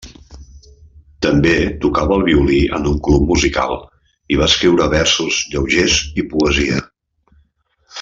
També tocava el violí en un club musical i va escriure versos lleugers i poesia.